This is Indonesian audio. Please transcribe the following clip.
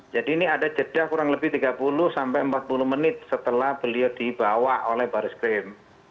jadi ini ada jeda kurang lebih tiga puluh sampai empat puluh menit setelah beliau dibawa oleh baris krim